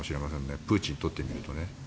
プーチンにとってみるとね。